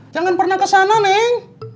jangan pernah kesana neng